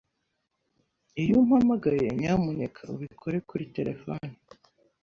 Iyo umpamagaye, nyamuneka ubikore kuri terefone.